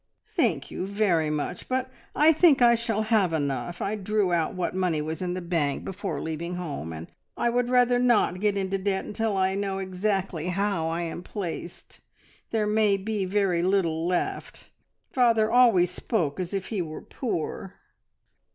"Thank you very much, but I think I shall have enough. I drew out what money was in the bank before leaving home, and I would rather not get into debt until I know exactly how I am placed. There may be very little left. Father always spoke as if he were poor."